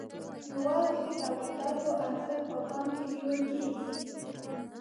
یوازې د تولیداتو ارزښت په پام کې نیول کیږي.